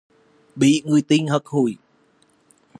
Bị người tình hất hủi